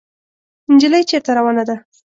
انجلۍ چېرته روانه ده ؟